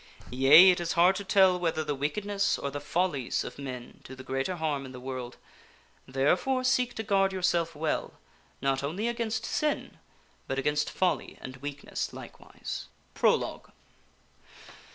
Yea ; it is hard to tell whether the wickedness or the follies of men do the greater harm in the world ; therefore seek to guard yourself well, not only against sin, but against folly and weak ness likewise. Prologue.